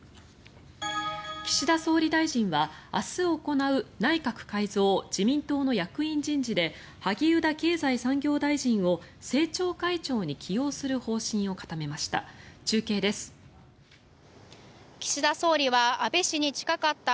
岸田総理大臣は明日行う内閣改造自民党の役員人事で萩生田経済産業大臣を政調会長に起用する方針を固めました。